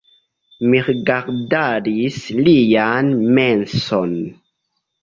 Mi rigardadis lian menson.